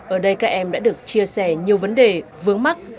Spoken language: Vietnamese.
ở đây các em đã được chia sẻ nhiều vấn đề vướng mắt